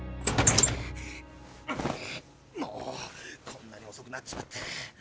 もうこんなにおそくなっちまって。